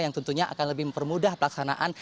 yang tentunya akan lebih mempermudah pelaksanaan